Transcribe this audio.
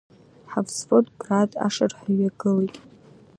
Ҳавзвод Град ашырҳәа иҩагылт.